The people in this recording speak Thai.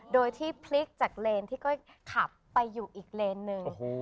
โดยที่พลิกจากเลนที่ก้อยขับไปอยู่อีกเลนหนึ่ง